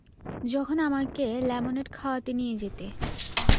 যখন আমাকে লেমোনেড খাওয়াতে নিয়ে যেতে।